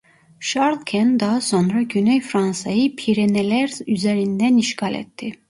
Şarlken daha sonra Güney Fransa'yı Pireneler üzerinden işgal etti.